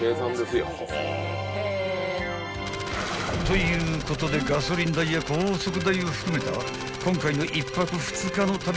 ［ということでガソリン代や高速代を含めた今回の］